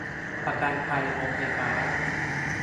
ประกันภัยโรงไฟฟ้า